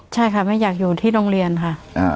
ใช่ค่ะไม่อยากอยู่ที่โรงเรียนค่ะ